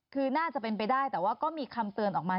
คือน่าจะเป็นไปได้แต่ว่าก็มีคำเตือนออกมา